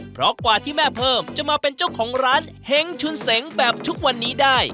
เพราะกว่าที่แม่เพิ่มจะมาเป็นเจ้าของร้านเฮ้งชุนเสงแบบทุกวันนี้ได้